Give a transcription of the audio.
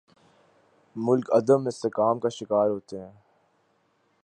ملک عدم استحکام کا شکار ہوتے ہیں۔